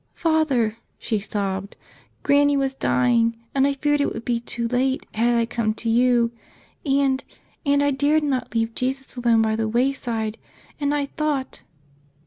"Father," she sobbed, "Granny was dying and I feared it would be too late had I come to you — and — and I dared not leave Jesus alone by the wayside — and I thought